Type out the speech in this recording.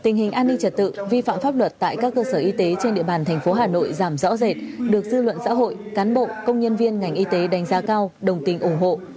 tình hình an ninh trật tự vi phạm pháp luật tại các cơ sở y tế trên địa bàn thành phố hà nội giảm rõ rệt được dư luận xã hội cán bộ công nhân viên ngành y tế đánh giá cao đồng tình ủng hộ